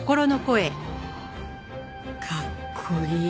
かっこいい！